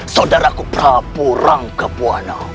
saudaraku prabu rangkapuana